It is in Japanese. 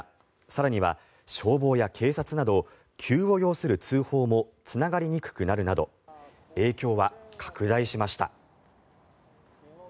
更には消防や警察など急を要する通報もつながりにくくなるなど影響は拡大しました。